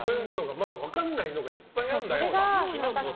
分からないのがいっぱいあるんだ、まだ。